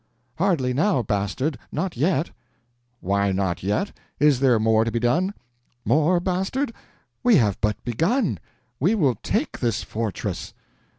Hardly now, Bastard. Not yet!" "Why not yet? Is there more to be done?" "More, Bastard? We have but begun! We will take this fortress."